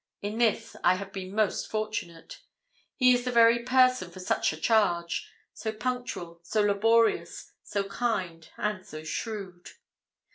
In this I have been most fortunate. He is the very person for such a charge so punctual, so laborious, so kind, and so shrewd.